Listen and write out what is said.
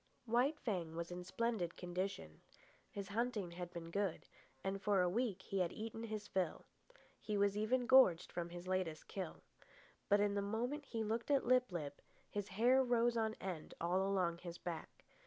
White Fang was in splendid condition. His hunting had been good, and for a week he had eaten his fill. He was even gorged from his latest kill. But in the moment he looked at Lip lip his hair rose on end all along his back.